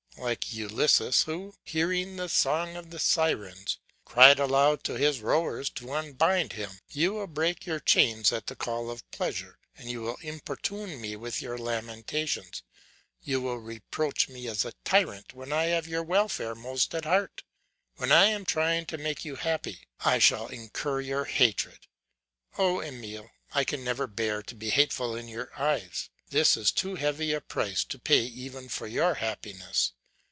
Like Ulysses who, hearing the song of the Sirens, cried aloud to his rowers to unbind him, you will break your chains at the call of pleasure; you will importune me with your lamentations, you will reproach me as a tyrant when I have your welfare most at heart; when I am trying to make you happy, I shall incur your hatred. Oh, Emile, I can never bear to be hateful in your eyes; this is too heavy a price to pay even for your happiness.